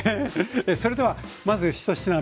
それではまず１品目